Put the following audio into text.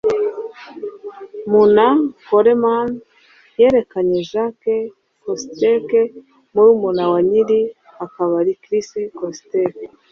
Mu na , Coleman yerekanye Jake Kositchek, murumuna wa nyiri akabari Chris Kositchek.